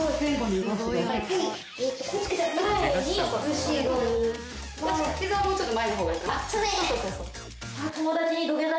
膝をもうちょっと前の方がいいかな。